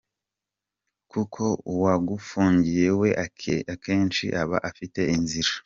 Kuko uwagufungiye we akenshi aba afite inzira.